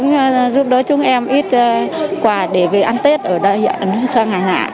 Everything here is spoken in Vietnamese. giúp đỡ chúng em ít quà để về ăn tết ở đại diện sang hàng hạ